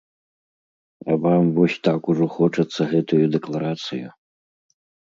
А вам вось так ужо хочацца гэтую дэкларацыю?